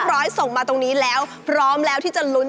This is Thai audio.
ขับหน้าขึ้นมาเลย